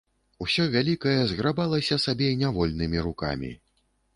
Усё вялікае зграбалася сабе нявольнымі рукамі.